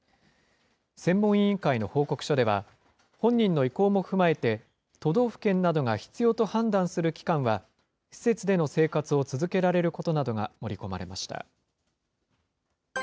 専門委員会の報告書では、本人の意向も踏まえて、都道府県などが必要と判断する期間は、施設での生活を続けられることなどが盛り込まれました。